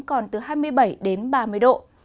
còn từ hai mươi bảy đến ba mươi độ